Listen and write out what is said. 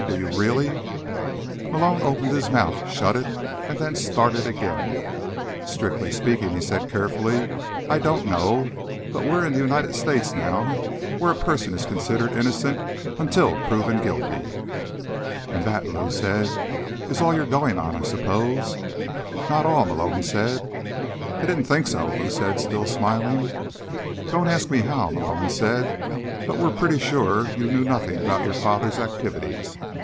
"Do you really?" Malone opened his mouth, shut it and then started again. "Strictly speaking," he said carefully, "I don't know. But we're in the United States now, where a person is considered innocent until proven guilty." "And that," Lou said, "is all you're going on, I suppose." "Not all," Malone said. "I didn't think so," Lou said, still smiling. "Don't ask me how," Malone said, "but we're pretty sure you knew nothing about your father's activities.